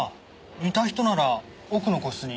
似た人なら奥の個室に。